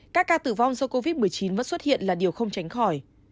các ca tử vong do covid một mươi chín vẫn xuất hiện là điều không tránh khỏi